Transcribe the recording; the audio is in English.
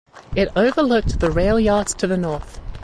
It overlooked the railyard to the north.